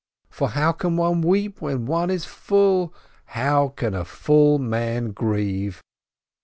For how can one weep when one is full? How can a full man grieve?